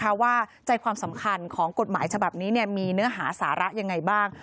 ว่าใจความสำคัญของกฎหมายฉบับนี้มีเนื้อหาสาระยังไงบ้าง